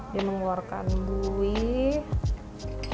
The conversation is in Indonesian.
dia mengeluarkan buih